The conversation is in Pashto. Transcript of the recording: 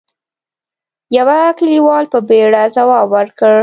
يوه کليوال په بيړه ځواب ورکړ: